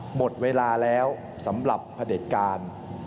หมดเวลาแล้วสำหรับพระเด็จการ